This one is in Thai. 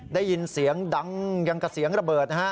ได้ยินเสียงดังอย่างกับเสียงระเบิดนะฮะ